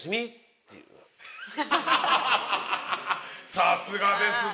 さすがですね。